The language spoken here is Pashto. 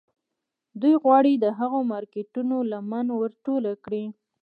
دوی غواړي د هغو مارکیټونو لمن ور ټوله کړي